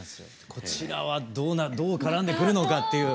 こちらはどう絡んでくるのかっていう。